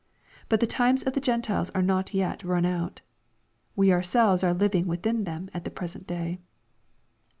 But the times of the Gentiles are not yet run out. We ourselves are living within them at the present day.